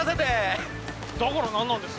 だから何なんです？